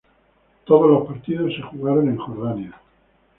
Todos los partidos se jugaron en Jordania.